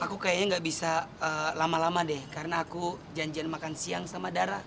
aku kayaknya gak bisa lama lama deh karena aku janjian makan siang sama darah